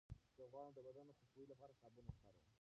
زه غواړم د بدن خوشبویۍ لپاره سابون وکاروم.